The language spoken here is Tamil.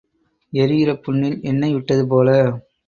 எரிகிற புண்ணில் எண்ணெய் விட்டது போல.